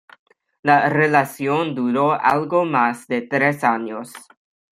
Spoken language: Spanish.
La relación duró algo más de tres años.